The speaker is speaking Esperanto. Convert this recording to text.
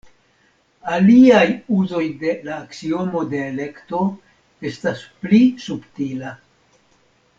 Aliaj uzoj de la aksiomo de elekto estas pli subtila.